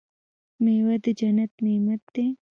میوه د جنت نعمت دی.